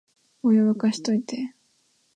お湯、沸かしといて